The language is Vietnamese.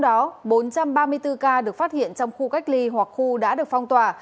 trong đó bốn trăm ba mươi bốn ca được phát hiện trong khu cách ly hoặc khu đã được phong tỏa